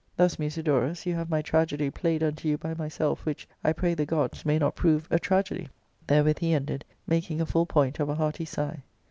Thus, Musidorus, you have my tragedy played unto you by myself, which, I pray the gods, may not prove a tragedy," Therewith he ended^ making a full point of a hearty sigh.